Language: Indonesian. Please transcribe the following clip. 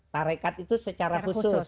tarikat itu secara khusus